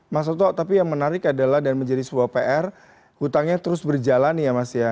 mas otto tapi yang menarik adalah dan menjadi sebuah pr hutangnya terus berjalan ya mas ya